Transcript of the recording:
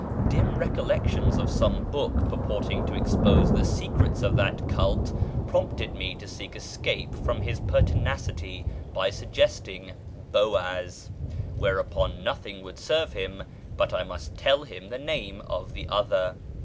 Dim recollections of some book purporting to expose the secrets of that cult prompted me to seek escape from his pertinacity by suggesting "Boaz," whereupon nothing would serve him but I must tell him the name of the other.